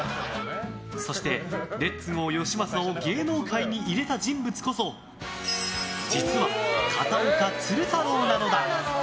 そして、レッツゴーよしまさを芸能界に入れた人物こそ実は片岡鶴太郎なのだ。